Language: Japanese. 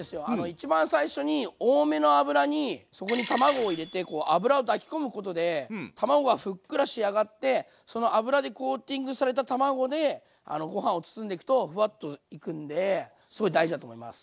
一番最初に多めの油にそこに卵を入れて油を抱き込むことで卵がふっくら仕上がってその油でコーティングされた卵でご飯を包んでいくとフワッといくんですごい大事だと思います。